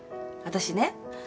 私ね